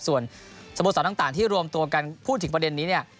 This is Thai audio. ส่วนสโมสรต่างที่รวมตัวกันพูดถึงประเด็นนี้เนี่ย